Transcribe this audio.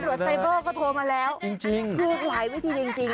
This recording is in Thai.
ตำรวจไตเบอร์ก็โทรมาแล้วพูดหลายวิธีจริง